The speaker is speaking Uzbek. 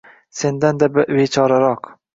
Sendan-da bechoraroq